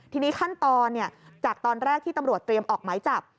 ทีนี้ขั้นตอนจากตอนแรกที่ตำรวจเตรียมออกหมายจับ